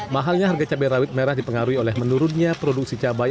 mahalnya harga cabai rawit merah dipengaruhi oleh menurunnya produksi cabai